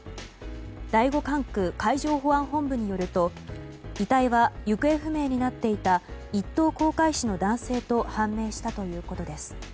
第５管区海上保安本部によると遺体は行方不明になっていた一等航海士の男性と判明したということです。